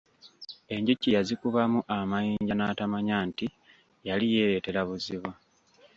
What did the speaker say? Enjuki yazikubamu amayinja n’atamanya nti yali yeereetera buzibu.